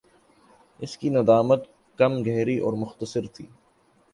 اس کی ندامت کم گہری اور مختصر تھِی